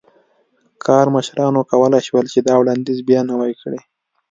کارمشرانو کولای شول چې دا وړاندیز بیا نوی کړي.